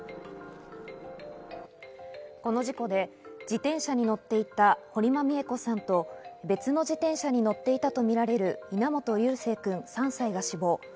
この事故で自転車に乗っていった堀間美恵子さんと別の自転車に乗っていたとみられる稲本琉正くん３歳が死亡。